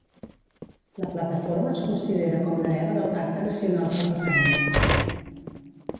La plataforma es considera com l'hereva del Pacte Nacional pel Referèndum.